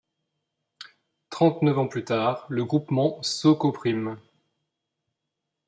Trente neuf ans plus tard le groupement So.Co.Prim.